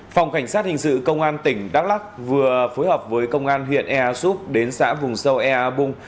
phòng cảnh sát hình sự công an tỉnh đắk lắc vừa phối hợp với công an huyện ea súp đến xã vùng sâu ea bung